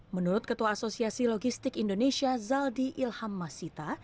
menurut ketua asosiasi logistik indonesia zaldi ilham masita